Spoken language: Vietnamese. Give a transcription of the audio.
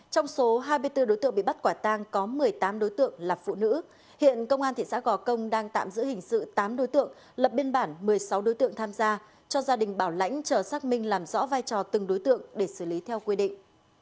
trong số hai mươi bốn đối tượng bị bắt quả tang có một mươi tám đối tượng là phụ nữ hiện công an thị xã gò công đang tạm giữ hình sự tám đối tượng lập biên bản một mươi sáu đối tượng tham gia cho gia đình bảo lãnh chờ xác minh làm rõ vai trò từng đối tượng để xử lý theo quy định